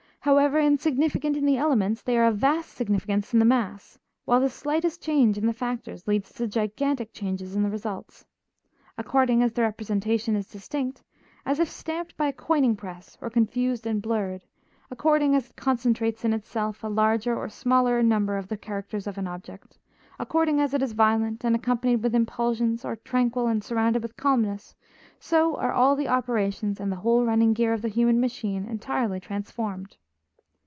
However insignificant in the elements they are of vast significance in the mass, while the slightest change in the factors leads to gigantic changes in the results. According as the representation is distinct, as if stamped by a coining press, or confused and blurred; according as it concentrates in itself a larger or smaller number of the characters of an object; according as it is violent and accompanied with impulsions or tranquil and surrounded with calmness, so are all the operations and the whole running gear of the human machine entirely transformed.